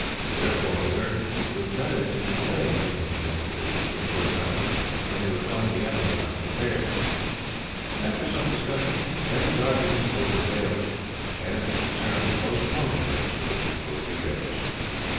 Therefore he urged it was better to delay making an expedition for a short time, when they would find the enemy unprepared. After some discussion Sweyn's arguments prevailed, and it was determined to postpone the expedition for a few days.